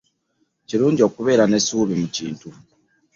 Kirungi okubeera n'essuubi mu kintu .